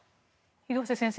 廣瀬先生